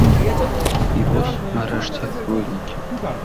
І вось, нарэшце, вынікі.